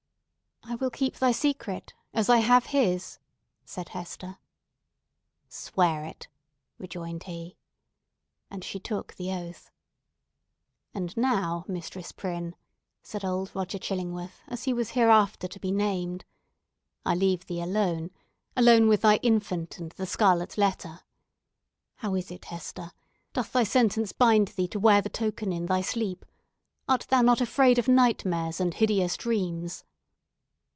"I will keep thy secret, as I have his," said Hester. "Swear it!" rejoined he. And she took the oath. "And now, Mistress Prynne," said old Roger Chillingworth, as he was hereafter to be named, "I leave thee alone: alone with thy infant and the scarlet letter! How is it, Hester? Doth thy sentence bind thee to wear the token in thy sleep? Art thou not afraid of nightmares and hideous dreams?"